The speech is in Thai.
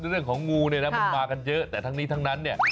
เรื่องของงูเนี่ยนะมันมากันเยอะแต่ทั้งนี้ทั้งนั้นเนี่ย